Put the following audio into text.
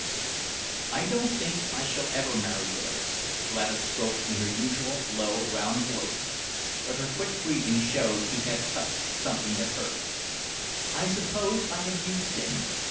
"I don't think I shall ever marry Bayliss," Gladys spoke in her usual low, round voice, but her quick breathing showed he had touched something that hurt. "I suppose I have used him.